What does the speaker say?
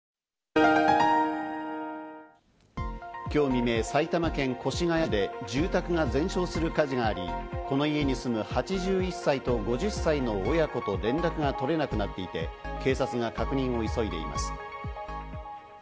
今日未明、埼玉県越谷市で住宅が全焼する火事があり、この家に住む８１歳と５０歳の親子と連絡が取れなくなっていて警察が確認を急いでいます。